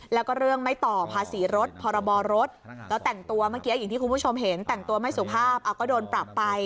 แล้วก็เรื่องไม่ต่อภาระศีรษทธิ์ภาระบอรถ